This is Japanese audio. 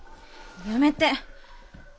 やめて！